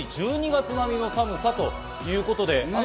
１２月並みの寒さということです。